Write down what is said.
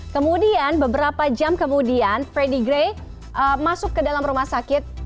kemudian beberapa jam kemudian freddy gray masuk ke dalam rumah sakit